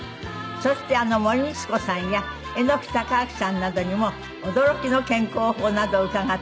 そしてあの森光子さんや榎木孝明さんなどにも驚きの健康法などを伺っております。